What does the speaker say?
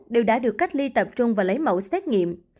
đều đã được cách ly tập trung và lấy mẫu xét nghiệm